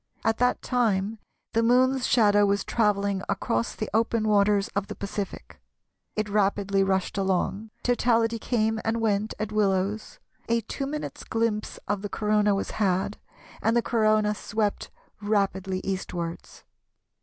At that time the Moon's shadow was travelling across the open waters of the Pacific. It rapidly rushed along; totality came and went at Willows; a two minutes' glimpse of the Corona was had, and the Corona swept rapidly eastwards.